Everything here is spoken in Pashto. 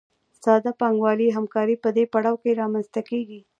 ساده پانګوالي همکاري په دې پړاو کې رامنځته کېږي